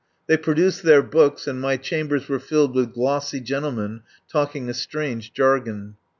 They produced their books and my chambers were filled with glossy gentlemen talking a strange jargon.